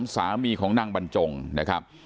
สามีของนางบรรจงนะครับ